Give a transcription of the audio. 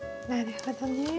なるほどね。